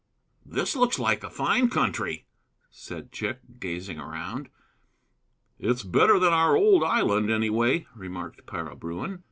"This looks like a fine country," said Chick, gazing around. "It's better than our old island, anyway," remarked Para Bruin.